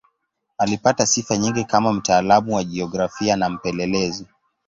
Alipata sifa nyingi kama mtaalamu wa jiografia na mpelelezi.